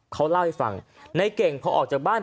เขาเล่าให้ฟังในเก่งพอออกจากบ้าน